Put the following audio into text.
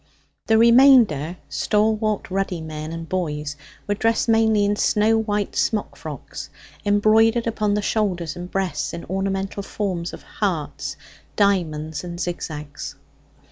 The remainder, stalwart ruddy men and boys, were dressed mainly in snow white smock frocks, embroidered upon the shoulders and breasts, in ornamental forms of hearts, diamonds, and zigzags.